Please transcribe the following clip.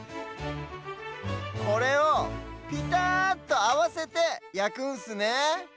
これをぴたっとあわせてやくんすねえ。